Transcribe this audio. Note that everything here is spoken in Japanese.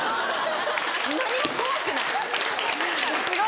何も怖くない！